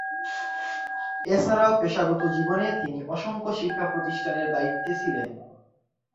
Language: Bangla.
এছাড়াও পেশাগত জীবনে তিনি অসংখ্য শিক্ষা প্রতিষ্ঠানের দায়িত্বে ছিলেন।